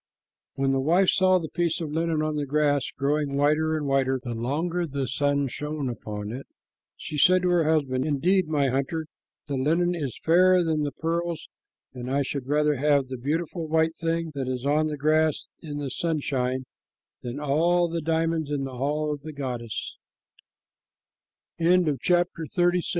When the wife saw the piece of linen on the grass, growing whiter and whiter the longer the sun shone upon it, she said to her husband, "Indeed, my hunter, the linen is fairer than the pearls, and I should rather have the beautiful white thing that is on the grass in the sunshine than all the diamonds in the hall of the